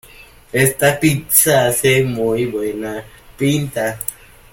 Esta pizza hace muy buena pinta.